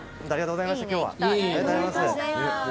ありがとうございます。